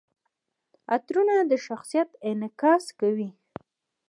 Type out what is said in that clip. عطرونه د شخصیت انعکاس کوي.